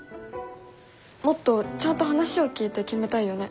もっとちゃんと話を聞いて決めたいよね。